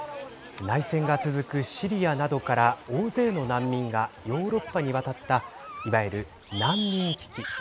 内戦が続くシリアなどから大勢の難民がヨーロッパに渡ったいわゆる難民危機。